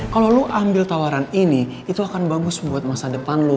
kalau lo ambil tawaran ini itu akan bagus buat masa depan lo